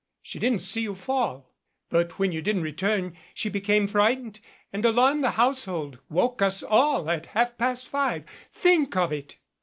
She didn't see you fall. But when you didn't return she became frightened and alarmed the household woke us all at half past five. Think of it!"